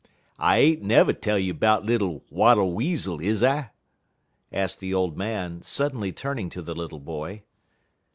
I ain't nev' tell you 'bout little Wattle Weasel, is I?" asked the old man, suddenly turning to the little boy.